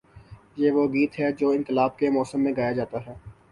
یہ وہ گیت ہے جو انقلاب کے موسم میں گایا جاتا ہے۔